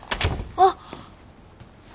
あっ。